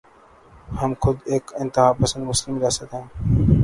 ہم خود ایک انتہا پسند مسلم ریاست ہیں۔